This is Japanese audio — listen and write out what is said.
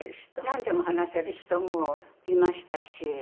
なんでも話せる人もいましたし